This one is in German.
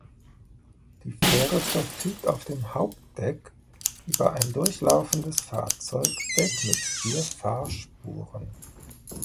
Die Fähre verfügt auf dem Hauptdeck über ein durchlaufendes Fahrzeugdeck mit vier Fahrspuren.